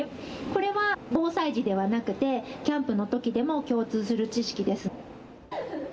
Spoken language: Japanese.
これは防災時ではなくて、キャンプのときでも共通する知識です。